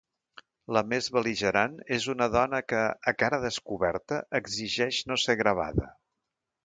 La més bel·ligerant és una dona que, a cara descoberta, exigeix no ser gravada.